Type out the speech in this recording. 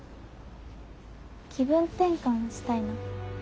気分転換したいな。